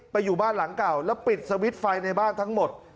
อยู่บ้านหลังเก่าแล้วปิดสวิตช์ไฟในบ้านทั้งหมด